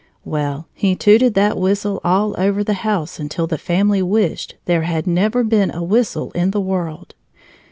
Well, he tooted that whistle all over the house until the family wished there had never been a whistle in the world.